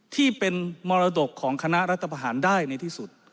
ที่เป็นมรดกของคณะรัฐประหารได้ในที่สุด